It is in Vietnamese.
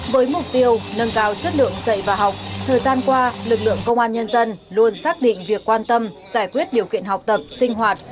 với mục tiêu nâng cao chất lượng dạy và học thời gian qua lực lượng công an nhân dân luôn xác định việc quan tâm giải quyết điều kiện học tập sinh hoạt